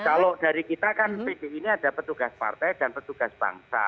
kalau dari kita kan pdi ini ada petugas partai dan petugas bangsa